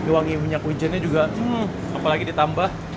wangi minyak hujannya juga apalagi ditambah